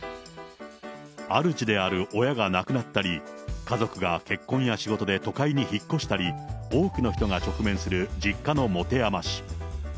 主である親が亡くなったり、家族が結婚や仕事で都会に引っ越したり、多くの人が直面する実家のもてあまし。